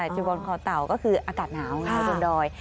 จีบว้านคอเตาก็คืออากาศนาวดงดอย